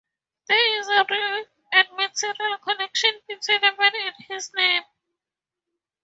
There is a real and material connection between a man and his name.